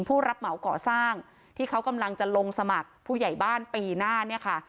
ผู้รับเหมาก่อสร้างที่เขากำลังจะลงสมัครผู้ใหญ่บ้านปีหน้าเนี่ยค่ะ